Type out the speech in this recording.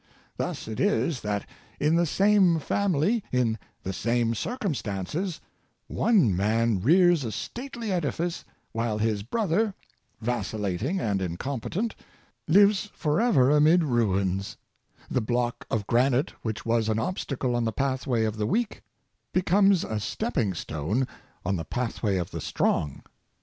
Thus it is that in the same family, in the same circumstances, one man rears a stately edifice, while his brother, vacillating and incompetent, lives forever amid ruins: the block of granite which was an obstacle on the pathway of the weak, becomes a step ping stone on the pathway of the Strong."